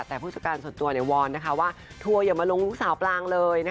แต่ผู้จักรส่วนตัวเนี่ยวอนนะคะว่าทัวร์อย่ามาลงลูกสาวปลางเลยนะคะ